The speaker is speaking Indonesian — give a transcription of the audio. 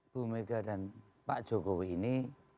bu mega dan pak jokowi ini